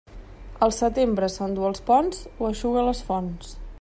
El setembre s'enduu els ponts o eixuga les fonts.